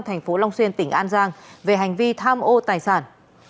tp long xuyên tỉnh an giang về hành vi tham ô tài sản